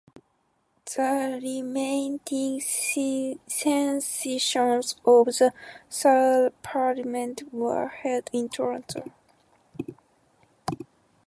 The remaining sessions of the third parliament were held in Toronto.